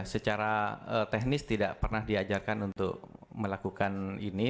secara teknis tidak pernah diajarkan untuk melakukan ini